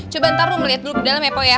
coba ntar lu melihat dulu ke dalam ya po ya